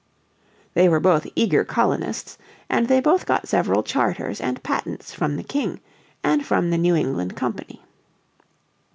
They were both eager colonists, and they both got several charters and patents from the King, and from the New England Company.